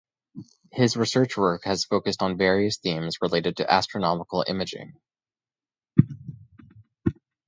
His research work has focused on various themes related to astronomical imaging.